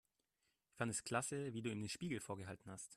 Ich fand es klasse, wie du ihm den Spiegel vorgehalten hast.